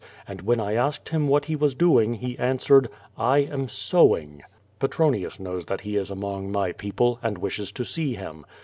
And when I asked him what he was doing he answered, ^'f am sowing." Petronius knows that he is among my people, and wishes to see him.